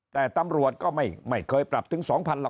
แต่ตำรวจก็ไม่เคยปรับถึง๒๐๐หรอก